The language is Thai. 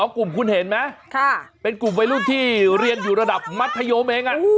กลุ่มคุณเห็นไหมเป็นกลุ่มวัยรุ่นที่เรียนอยู่ระดับมัธยมเอง